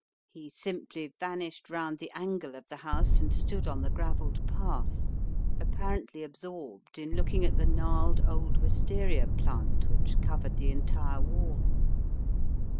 He simply vanished round the angle of the house and stood on the gravelled path, apparently absorbed in looking at the gnarled old wistaria plant which covered the entire wall.